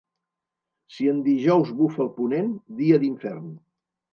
Si en dijous bufa el ponent, dia d'infern.